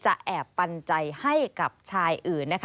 จะแอบปันใจให้กับชายอื่น